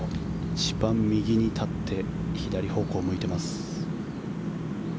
一番右に立って左方向を向いています。